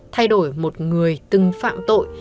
thay đổi một người từng phạm tội